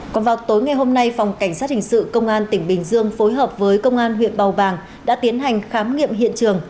còn vào tối ngày hôm nay phòng cảnh sát hình sự công an tỉnh bình dương phối hợp với công an huyện bào bàng đã tiến hành khám nghiệm hiện trường